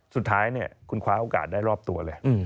สุดท้ายคุณคว้าโอกาสได้รอบตัวเลย